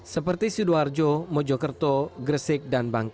seperti sidoarjo mojokerto gresik dan bangka